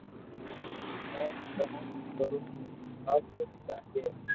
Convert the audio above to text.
نو ڪرو ڪوم حراب ھوئي جائي